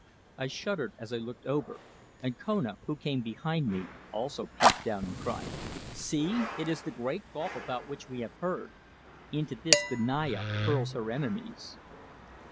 I shuddered as I looked over, and Kona, who came behind me, also peeped down and cried: "See! It is the Great Gulf about which we have heard. Into this the Naya hurls her enemies."